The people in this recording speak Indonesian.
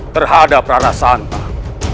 terhadap rara santan